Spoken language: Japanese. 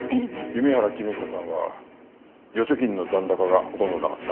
弓原公彦さんは預貯金の残高がほとんどなかった。